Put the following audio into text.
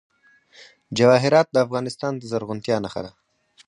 جواهرات د افغانستان د زرغونتیا نښه ده.